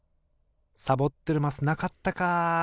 サボってるマスなかったか！